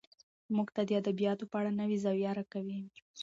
موږ ته د ادبياتو په اړه نوې زاويه راکوي